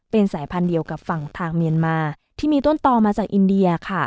เป็นสายพันธุ์เดียวกับฝั่งทางเมียนมาที่มีต้นต่อมาจากอินเดียค่ะ